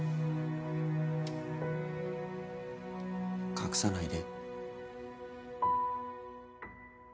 隠さないで。